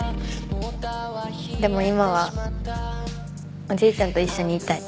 でも今はおじいちゃんと一緒にいたい。